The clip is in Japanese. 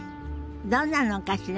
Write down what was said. どんなのかしらね。